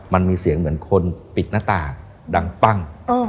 มันมีเสียงเหมือนคนปิดหน้าต่างดังปั้ง